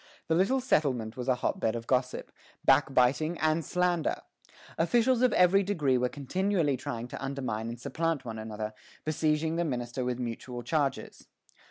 The little settlement was a hot bed of gossip, backbiting, and slander. Officials of every degree were continually trying to undermine and supplant one another, besieging the minister with mutual charges.